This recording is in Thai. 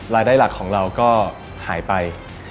รายได้หลักของเราก็หายไป